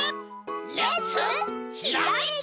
レッツひらめき！